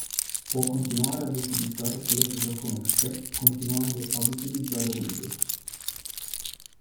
Può continuare ad utilizzare quelle che già conosce continuando ad utilizzare Windows.